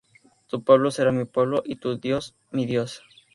Tu pueblo será mi pueblo, y tu Dios mi Dios.